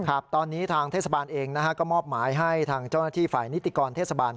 ครับตอนนี้ทางเทศบาลเองนะฮะก็มอบหมายให้ทางเจ้าหน้าที่ฝ่ายนิติกรเทศบาล